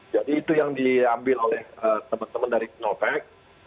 jadi itu yang diambil oleh teman teman dari sinovac